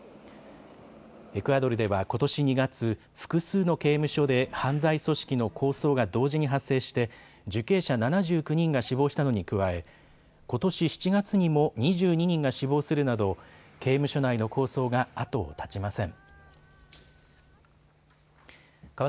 エクアドルでは、ことし２月、複数の刑務所で犯罪組織の抗争が同時に発生して受刑者７９人が死亡したのに加えことし７月にも２２人が死亡するなど刑務所内の抗争が後を絶ちません。